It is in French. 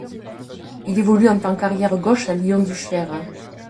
Il évolue en tant qu'arrière gauche à Lyon-Duchère.